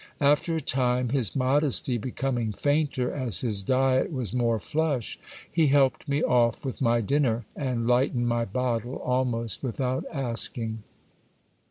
After a time, his modesty becoming fainter as his diet was more flush, he helped me off with my dinner and lightened my bottle almost without asking.